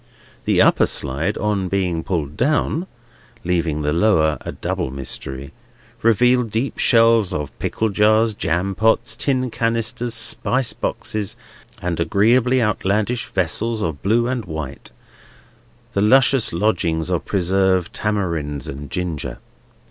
The upper slide, on being pulled down (leaving the lower a double mystery), revealed deep shelves of pickle jars, jam pots, tin canisters, spice boxes, and agreeably outlandish vessels of blue and white, the luscious lodgings of preserved tamarinds and ginger.